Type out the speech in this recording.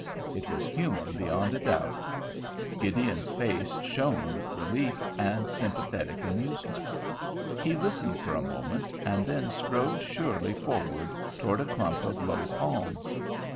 It was human beyond a doubt. Gideon's face shone with relief and sympathetic amusement; he listened for a moment, and then strode surely forward toward a clump of low palms.